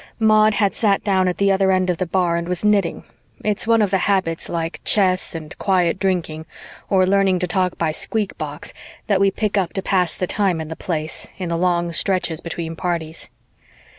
Maud had sat down at the other end of the bar and was knitting it's one of the habits like chess and quiet drinking, or learning to talk by squeak box, that we pick up to pass the time in the Place in the long stretches between parties.